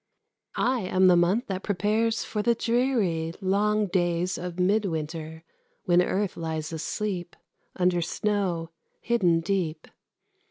I am the month that prepares for the dreary, Long days of midwinter, when Earth lies asleep Under snow hidden deep.